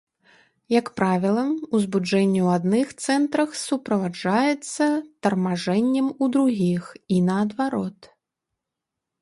Як правіла, узбуджэнне ў адных цэнтрах суправаджаецца тармажэннем у другіх, і наадварот.